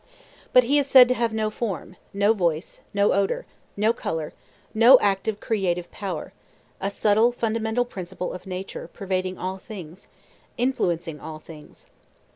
But he is said to have no form, no voice, no odor, no color, no active creative power, a subtile, fundamental principle of nature, pervading all things, influencing all things.